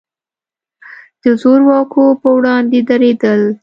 د زور واکو پر وړاندې درېدل.